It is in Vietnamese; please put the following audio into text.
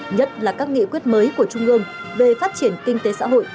nhất là các nghị quyết mới của trung ương về phát triển kinh tế xã hội